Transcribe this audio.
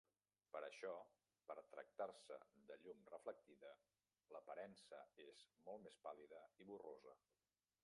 Per això, per tractar-se de llum reflectida, l’aparença és molt més pàl·lida i borrosa.